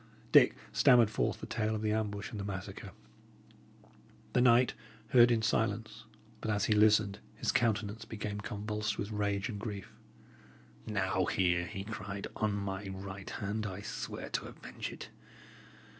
Dick stammered forth the tale of the ambush and the massacre. The knight heard in silence; but as he listened, his countenance became convulsed with rage and grief. "Now here," he cried, "on my right hand, I swear to avenge it!